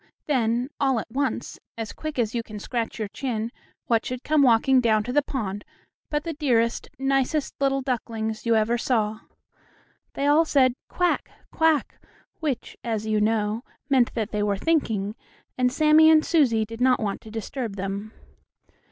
Then all at once, as quick as you can scratch your chin, what should come walking down to the pond but the dearest, nicest little ducklings you ever saw. They all said, "Quack! quack!" which, as you knew, meant that they were thinking, and Sammie and Susie did not want to disturb them.